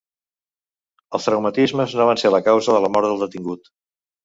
Els traumatismes no van ser la causa de la mort del detingut